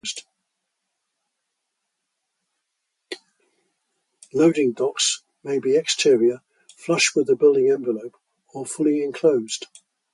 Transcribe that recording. Loading docks may be exterior, flush with the building envelope, or fully enclosed.